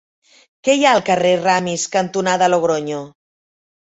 Què hi ha al carrer Ramis cantonada Logronyo?